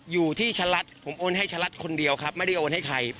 อยู่ที่ชะลัดผมโอนให้ชะลัดคนเดียวครับไม่ได้โอนให้ใคร